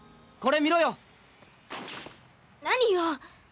これ見ろよ何よ